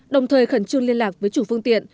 đồng thời khẩn trương liên lạc với chủ phương tiện